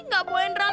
gak boleh ngerasainnya